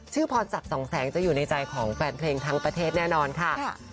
พรศักดิ์สองแสงจะอยู่ในใจของแฟนเพลงทั้งประเทศแน่นอนค่ะ